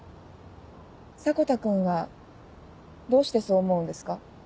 迫田君はどうしてそう思うんですか？